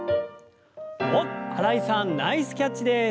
おっ新井さんナイスキャッチです！